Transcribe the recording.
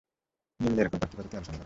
নিম্নে এরকম কয়েকটি পদ্ধতি আলোচনা করা হল।